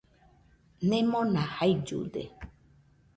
Nemona jaillude.